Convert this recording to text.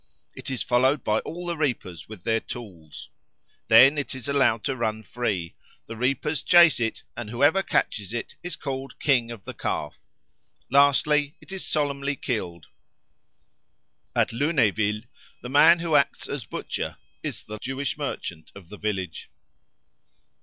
It is followed by all the reapers with their tools. Then it is allowed to run free; the reapers chase it, and whoever catches it is called King of the Calf. Lastly, it is solemnly killed; at Lunéville the man who acts as butcher is the Jewish merchant of the village.